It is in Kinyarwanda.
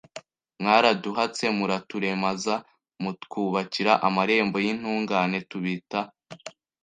Mwaraduhatse muraturemaza Mutwubakira amarembo y’intungane Tubita